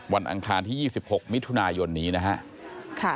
อังคารที่๒๖มิถุนายนนี้นะครับ